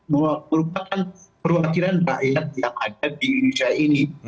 merupakan perwakilan rakyat yang ada di indonesia ini